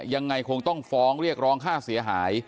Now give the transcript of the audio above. ยังไงคงต้องฟ้องเรียกร้องค่าเสียหาย